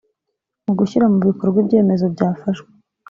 mu gushyira mu bikorwa ibyemezo byafashwe